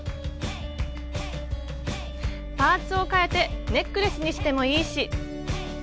パーツをかえてネックレスにしてもいいし。